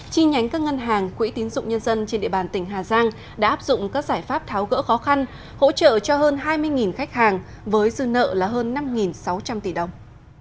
chi nhánh các ngân hàng quỹ tín dụng nhân dân trên địa bàn tỉnh hà giang đã áp dụng các giải pháp tháo gỡ khó khăn hỗ trợ cho hơn hai mươi khách hàng với dư nợ là hơn năm sáu trăm linh tỷ đồng